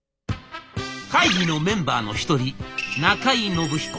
会議のメンバーの一人中井信彦。